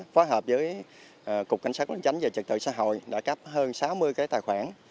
phó hợp với cục cảnh sát linh chánh và trực tự xã hội đã cấp hơn sáu mươi tài khoản